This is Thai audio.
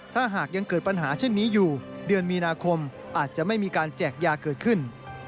ถ้าหากยังเกิดปัญหาเช่นนี้อยู่เดือนมีนาคมอาจจะไม่มีการแจกยาเกิดขึ้น